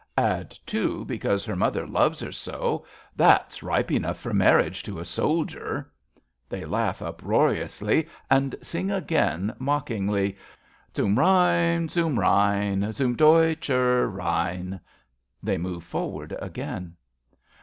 Add two, because her mother loves her so ! That's ripe enough for marriage to a soldier. {They laugh uproariously, and sing again mockingly :)" Zum Rhein, zum Rhein, zum deutscher Rhein!" {They move forivard again.)